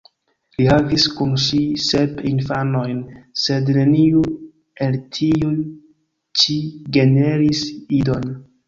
Li havis kun ŝi sep infanojn, sed neniu el tiuj ĉi generis idon.